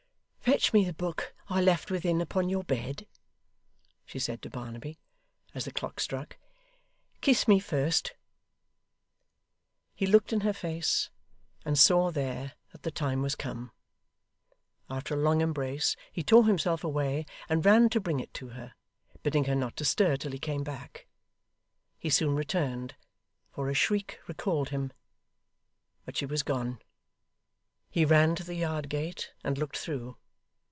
'Fetch me the book I left within upon your bed,' she said to Barnaby, as the clock struck. 'Kiss me first.' He looked in her face, and saw there, that the time was come. After a long embrace, he tore himself away, and ran to bring it to her; bidding her not stir till he came back. He soon returned, for a shriek recalled him, but she was gone. He ran to the yard gate, and looked through.